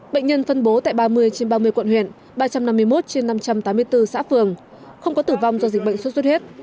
bệnh nhân phân bố tại ba mươi trên ba mươi quận huyện ba trăm năm mươi một trên năm trăm tám mươi bốn xã phường không có tử vong do dịch bệnh xuất xuất huyết